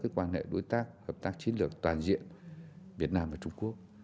quan hệ đối tác hợp tác chiến lược toàn diện việt nam và trung quốc